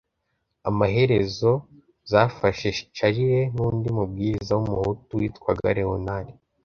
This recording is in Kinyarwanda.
amaherezo zafashe charles n’undi mubwiriza w’umuhutu witwaga leonard